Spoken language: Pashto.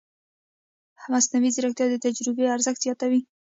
مصنوعي ځیرکتیا د تجربې ارزښت زیاتوي.